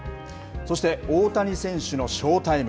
そして、大谷選手のショータイム。